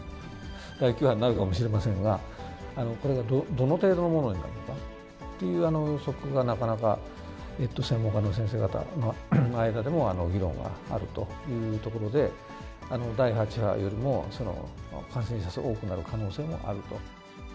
第９波になるかもしれませんが、これがどの程度のものになるかっていう予測がなかなか専門家の先生方の間でも議論があるというところで、第８波よりも感染者数が多くなる可能性もあると。